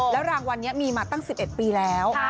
รางวัลนี้มีมาตั้ง๑๑ปีแล้ว